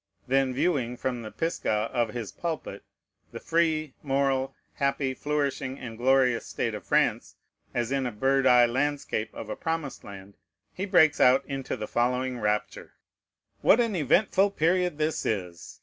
Then viewing, from the Pisgah of his pulpit, the free, moral, happy, flourishing, and glorious state of France, as in a bird eye landscape of a promised land, he breaks out into the following rapture: "What an eventful period is this!